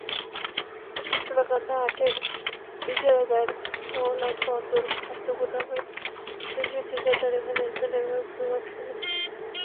সোনাকান্দা হাটের ইজারাদার তাওলাদ বন্দর খাদ্যগুদামের একজন ঠিকাদার এবং স্থানীয়ভাবে প্রভাবশালী।